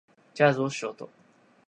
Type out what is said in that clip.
じゃあ、どうしろと？